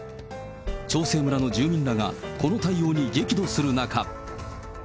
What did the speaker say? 長生村の住民らがこの対応に激怒する中。